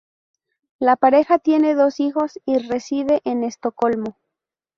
La pareja tiene dos hijos y reside en Estocolmo.